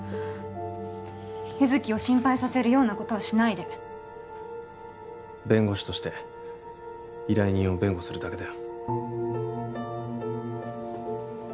優月を心配させるようなことはしないで弁護士として依頼人を弁護するだけだよ